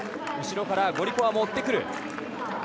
後ろからゴリコワも追ってくる。